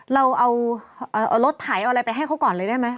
เราเอารถไถเอาอะไรไปให้เขาก่อนเลยได้ไหม